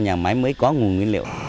nhà máy mới có nguồn nguyên liệu